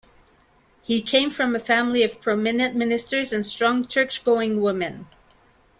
He came from a family of prominent ministers and strong churchgoing women.